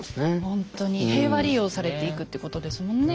ほんとに平和利用されていくってことですもんね。